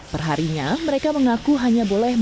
perharinya mereka mengaku hanya berharga rp dua puluh